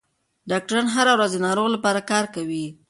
ډاکټران هره ورځ د ناروغ لپاره کار کوي.